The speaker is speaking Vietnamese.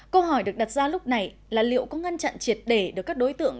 câu hỏi được đặt ra lúc này là liệu có ngăn chặn triệt để được các đối tượng